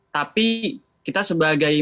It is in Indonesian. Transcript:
tapi kita sebagai